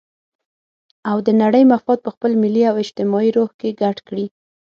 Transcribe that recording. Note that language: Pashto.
او د نړۍ مفاد په خپل ملي او اجتماعي روح کې ګډ کړي.